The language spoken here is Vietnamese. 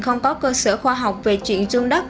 không có cơ sở khoa học về chuyện run đất